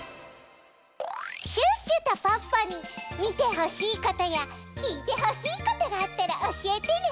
シュッシュとポッポにみてほしいことやきいてほしいことがあったらおしえてね！